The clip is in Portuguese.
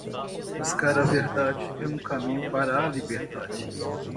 Buscar a verdade é um caminho para a liberdade.